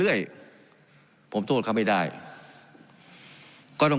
การปรับปรุงทางพื้นฐานสนามบิน